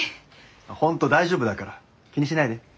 本当大丈夫だから気にしないで。